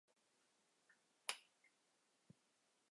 著名的莫比乌斯环也是直纹曲面。